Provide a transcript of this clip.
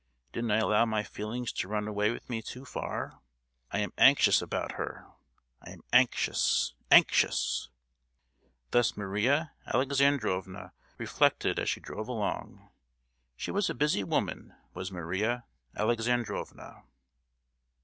Didn't I allow my feelings to run away with me too far? I am anxious about her. I am anxious, anxious!" Thus Maria Alexandrovna reflected as she drove along. She was a busy woman, was Maria Alexandrovna.